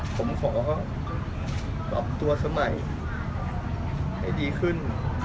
ผมขอปรับตัวสมัยให้ดีขึ้น